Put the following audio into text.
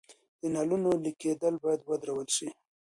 د نلونو لیک کیدل باید ودرول شي.